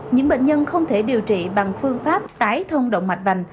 những bệnh nhân không thể điều trị bằng phương pháp tái thông động mạch vành